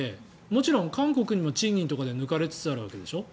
もちろん韓国にも賃金とかで抜かれつつあるわけでしょ。